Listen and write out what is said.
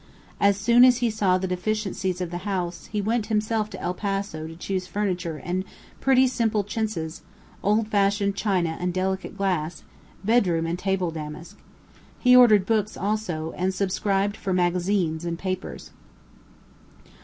As soon as he saw the deficiencies of the house, he went himself to El Paso to choose furniture and pretty simple chintzes, old fashioned china and delicate glass, bedroom and table damask. He ordered books also, and subscribed for magazines and papers.